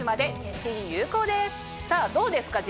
さぁどうですか？